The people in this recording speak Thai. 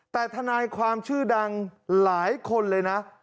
แต่ทนายความชื่อดังหลายคน